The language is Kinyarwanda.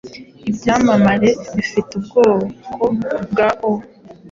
ibyamamare bifite ubwoko bwa O